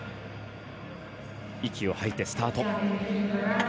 息を吐いてスタート。